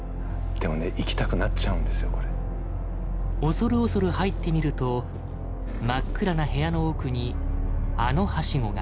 恐る恐る入ってみると真っ暗な部屋の奥にあのハシゴが。